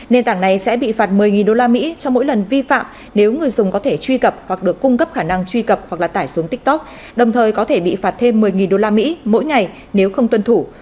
nền tảng này sẽ bị phạt một mươi usd cho mỗi lần vi phạm nếu người dùng có thể truy cập hoặc được cung cấp khả năng truy cập hoặc là tải xuống tiktok đồng thời có thể bị phạt thêm một mươi usd mỗi ngày nếu không tuân thủ